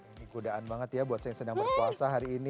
ini godaan banget ya buat saya yang sedang berpuasa hari ini